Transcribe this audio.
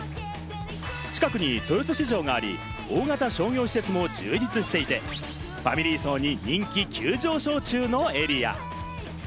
近くに豊洲市場があり、大型商業施設も充実していて、ファミリー層に人気急上昇中のエリア。